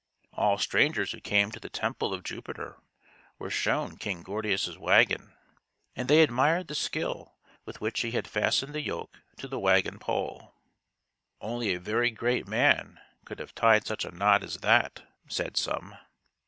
All strangers who came to the temple of Jupiter were shown King Gordius's wagon ; and they ad mired the skill with which he had fastened the yoke to the wagon pole. " Only a very great man could have tied such a knot as that," said some.